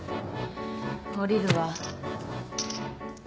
降りるわ。